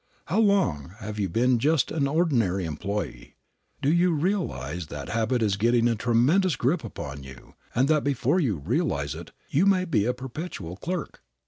How long have you been just an ordinary employee? Do you realize that habit is getting a tremendous grip upon you, and that before you realize it you may be a "perpetual clerk"?